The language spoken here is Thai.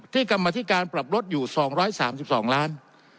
กรรมธิการปรับลดอยู่๒๓๒ล้าน